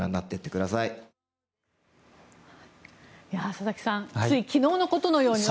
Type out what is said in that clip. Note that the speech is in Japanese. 佐々木さんつい昨日のことのように。